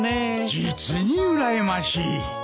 実にうらやましい。